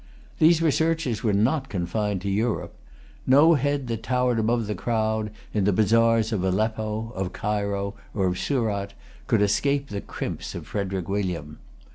These researches were not confined to Europe. No head that towered above the crowd in the bazaars of Aleppo, of Cairo, or of Surat, could escape the crimps of Frederic William.